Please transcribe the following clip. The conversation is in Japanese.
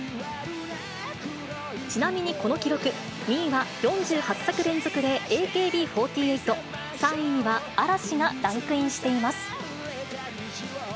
ちなみにこの記録、２位は４８作連続でＡＫＢ４８、３位には嵐がランクインしています。